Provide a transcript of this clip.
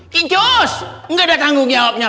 kincus nggak ada tanggung jawabnya